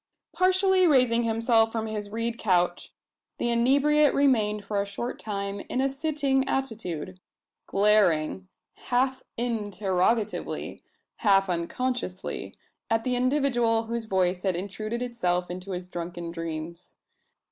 Partially raising himself from his reed couch, the inebriate remained for a short time in a sitting attitude glaring, half interrogatively, half unconsciously, at the individual whose voice had intruded itself into his drunken dreams.